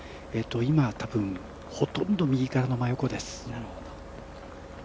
今はほとんど右からの真横です。